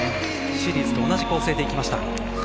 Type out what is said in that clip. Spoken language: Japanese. シリーズと同じ構成できました。